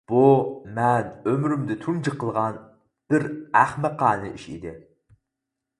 بۇ مەن ئۆمرۈمدە تۇنجى قىلغان بىر ئەخمىقانە ئىش ئىدى!